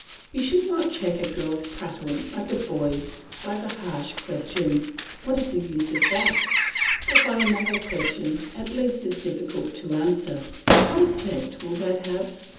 You should not check a girl's prattle like a boy's by the harsh question, "What is the use of that?" but by another question at least as difficult to answer, "What effect will that have?"